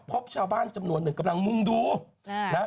พบชาวบ้านจำนวนหนึ่งกำลังมุ่งดูนะฮะ